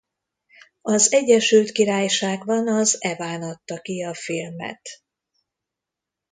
Az Egyesült Királyságban az eOne adta ki a filmet.